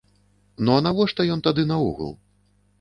Ну а навошта ён тады наогул?